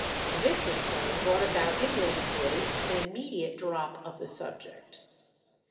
This in turn brought about in Lady Grace an immediate drop of the subject.